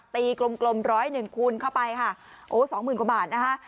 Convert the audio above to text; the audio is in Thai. กลมกลมร้อยหนึ่งคูณเข้าไปค่ะโอ้สองหมื่นกว่าบาทนะคะ